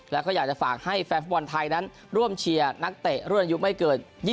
แล้วก็อยากจะฝากให้แฟนฟุตบอลไทยนั้นร่วมเชียร์นักเตะรุ่นอายุไม่เกิน๒๐